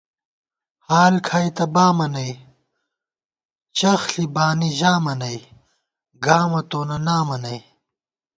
حال کھائی تہ بامہ نئ، چخݪی بانی ژامہ نئ، گامہ تونہ نامہ نئ